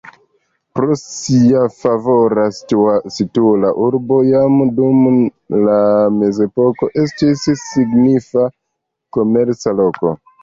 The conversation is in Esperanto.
Pro sia favora situo la urbo jam dum la mezepoko estis signifa komerca loko.